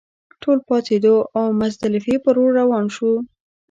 ټول پاڅېدو او مزدلفې پر لور روان شوو.